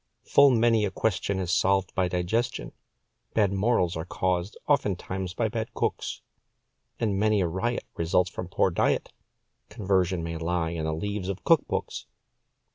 Full many a question is solved by digestion. Bad morals are caused, oftentimes by bad cooks, And many a riot results from poor diet Conversion may lie in the leaves of cook books.